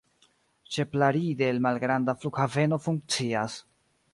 Ĉe Plaridel malgranda flughaveno funkcias.